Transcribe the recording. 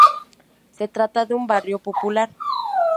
Se trata de un barrio popular.